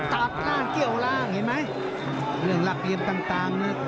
ตาดตร่านเกลียวออกล่างเรื่องรักรีมต่างนั่งส